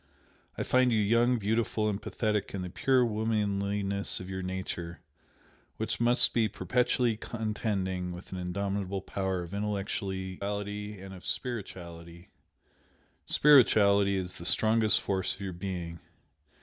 I find you young, beautiful, and pathetic in the pure womanliness of your nature, which must be perpetually contending with an indomitable power of intellectuality and of spirituality, spirituality is the strongest force of your being.